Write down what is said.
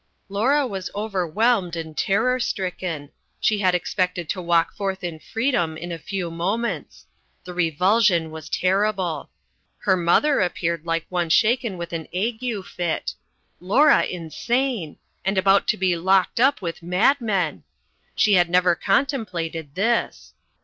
Laura was overwhelmed and terror stricken. She had expected to walk forth in freedom in a few moments. The revulsion was terrible. Her mother appeared like one shaken with an ague fit. Laura insane! And about to be locked up with madmen! She had never contemplated this.